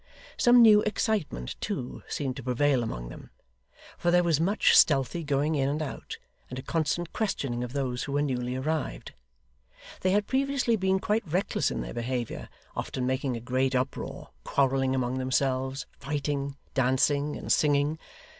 Some new excitement, too, seemed to prevail among them; for there was much stealthy going in and out, and a constant questioning of those who were newly arrived. They had previously been quite reckless in their behaviour; often making a great uproar; quarrelling among themselves, fighting, dancing, and singing.